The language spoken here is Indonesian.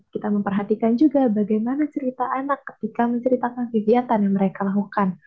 kita memperhatikan juga bagaimana cerita anak ketika menceritakan kegiatan yang mereka lakukan